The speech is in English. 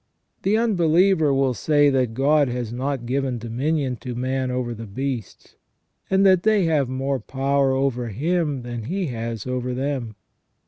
The unbeliever will say that God has not given dominion to man over the beasts, and that they have more power over him than he has over them.